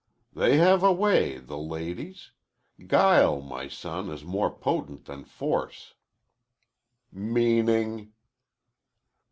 "They have a way, the ladies. Guile, my son, is more potent than force." "Meaning?"